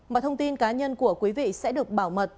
mọi thông tin cá nhân của quý vị sẽ được bảo mật